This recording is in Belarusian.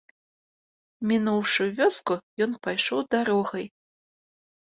Мінуўшы вёску, ён пайшоў дарогай.